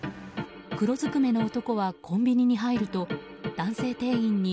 黒ずくめの男はコンビニに入ると男性店員に